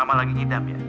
mama lagi ngidam ya